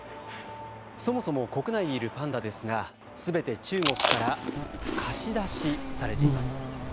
そもそも国内にいるパンダですがすべて中国から貸し出しされています。